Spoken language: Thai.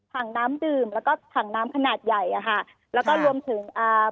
ถังน้ำดื่มแล้วก็ถังน้ำขนาดใหญ่อ่ะค่ะแล้วก็รวมถึงอ่า